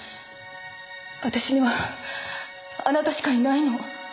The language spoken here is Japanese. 私にはあなたしかいないの。